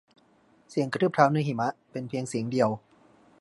เสียงกระทืบเท้าในหิมะเป็นเป็นเพียงเสียงเดียว